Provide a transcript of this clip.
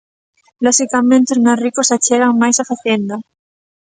Loxicamente os máis ricos achegan máis a Facenda.